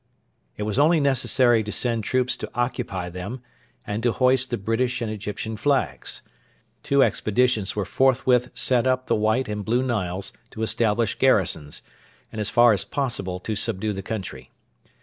It was only necessary to send troops to occupy them and to hoist the British and Egyptian flags. Two expeditions were forthwith sent up the White and Blue Niles to establish garrisons, and as far as possible to subdue the country.